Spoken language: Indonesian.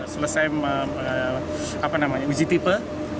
selesai uji tipe